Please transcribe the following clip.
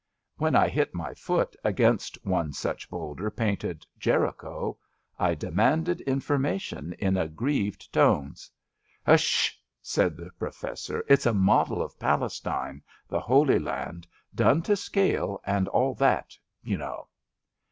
When I hit my foot against one such boulder painted *' Jericho/* I demanded in formation in aggrieved tones. HshI '' said the Professor. It's a model of Palestine — the Holy Land — done to scale and all that, you know.